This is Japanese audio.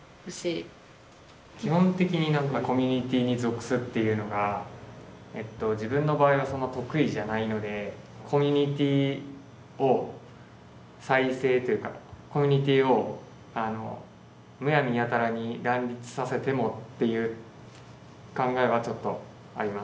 基本的になんかコミュニティーに属すっていうのが自分の場合は得意じゃないのでコミュニティーを再生というかコミュニティーをむやみやたらに乱立させてもっていう考えはちょっとあります。